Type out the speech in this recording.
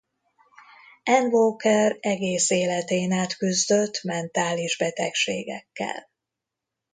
Ann Walker egész életén át küzdött mentális betegségekkel.